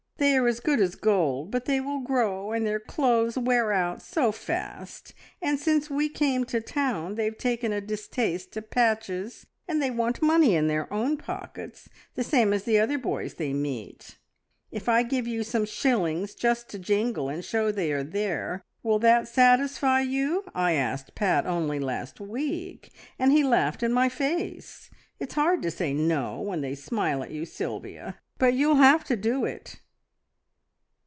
They are as good as gold, but they will grow, and their clothes wear out so fast, and since we came to town they've taken a distaste to patches, and they want money in their own pockets, the same as the other boys they meet. `If I give you some shillings just to jingle, and show they are there, will that satisfy you?' I asked Pat only last week, and he laughed in my face! It's hard to say `No' when they smile at you, Sylvia, but you'll have to do it."